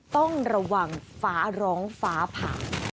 ต้องระวังฟ้าร้องฟ้าผ่า